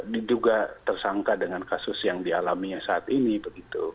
diduga tersangka dengan kasus yang dialaminya saat ini begitu